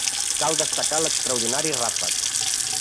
Cal destacar l'extraordinari ràfec.